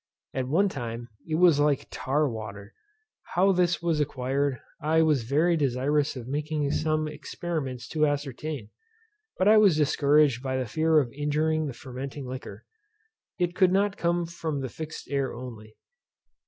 At one time it was like tar water. How this was acquired, I was very desirous of making some experiments to ascertain, but I was discouraged by the fear of injuring the fermenting liquor. It could not come from the fixed air only.